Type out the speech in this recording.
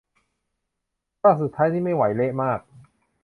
ภาคสุดท้ายนี่ไม่ไหว เละมาก